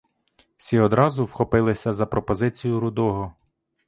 Всі одразу вхопилися за пропозицію рудого.